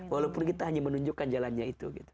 walaupun kita hanya menunjukkan jalannya itu